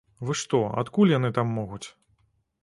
Вы што, адкуль яны там могуць?